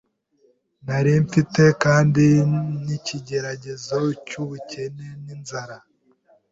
nari mfite kandi n’ikigeragezo cy’ubukene, n’inzara